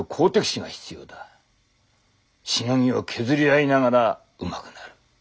しのぎを削り合いながらうまくなる。